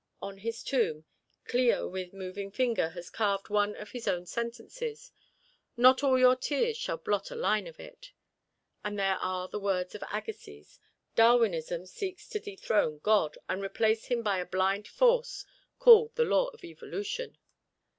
On his tomb, Clio with moving finger has carved one of his own sentences, nor all your tears shall blot a line of it. And these are the words of Agassiz: "Darwinism seeks to dethrone God, and replace Him by a blind force called the Law of Evolution."